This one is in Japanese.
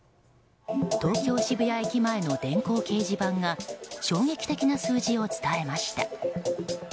東京・渋谷駅前の電光掲示板が衝撃的な数字を伝えました。